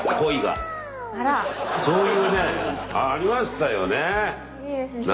そういうねありましたよね。